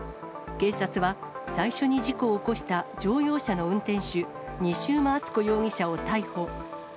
警察は、最初に事故を起こした乗用車の運転手、西馬淳子容疑者を逮捕。